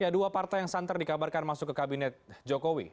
dua partai yang santer dikabarkan masuk ke kabinet jokowi